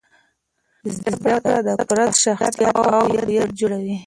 زده کړه د فرد شخصیت او هویت جوړوي.